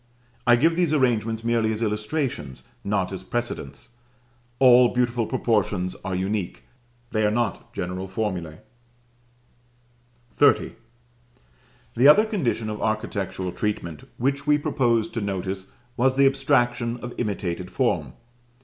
I give these arrangements merely as illustrations, not as precedents: all beautiful proportions are unique, they are not general formulæ. XXX. The other condition of architectural treatment which we proposed to notice was the abstraction of imitated form.